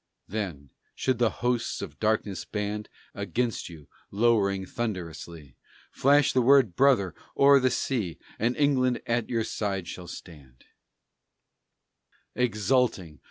Then, should the hosts of darkness band Against you, lowering thunderously, Flash the word "Brother" o'er the sea, And England at your side shall stand, Exulting!